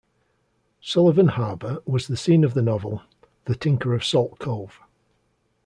Sullivan Harbor was the scene of the novel "The Tinker of Salt Cove".